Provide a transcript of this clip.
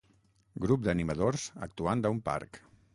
Grup d'animadors actuant a un parc